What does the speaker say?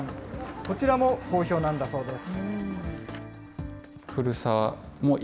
こちらも好評なんだそうです。